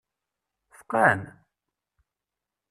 Tfeqɛem?